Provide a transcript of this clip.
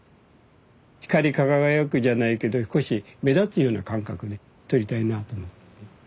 光り輝くじゃないけど少し目立つような感覚で撮りたいなあと。